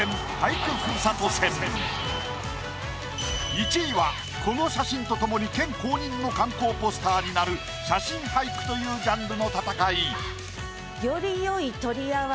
１位はこの写真とともに県公認の観光ポスターになる写真俳句というジャンルの戦い。